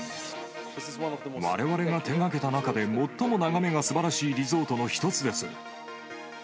われわれが手がけた中で最も眺めがすばらしいリゾートの一つです。